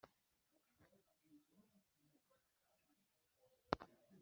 Hatangira gahunda yagutse y ibikorwa by ubutabazi byo gufasha abavandimwe bacu